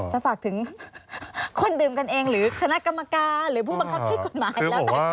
ฝากถึงคนดื่มกันเองหรือคณะกรรมการหรือผู้บังคับใช้กฎหมายแล้วแต่